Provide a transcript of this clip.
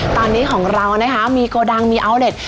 ตอนนี้ของเรามีโกดังมีออฟฟิศ